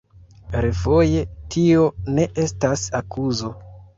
Refoje, tio ne estas akuzo.